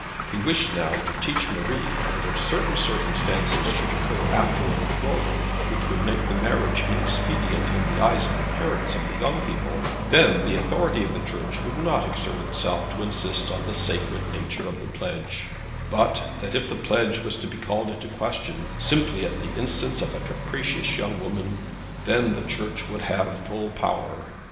He wished now to teach Marie that if certain circumstances should occur after a betrothal which would make the marriage inexpedient in the eyes of the parents of the young people, then the authority of the Church would not exert itself to insist on the sacred nature of the pledge; but that if the pledge was to be called in question simply at the instance of a capricious young woman, then the Church would have full power.